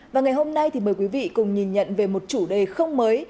và ngày hôm nay thì mời quý vị cùng nhìn nhận về một chủ đề không mới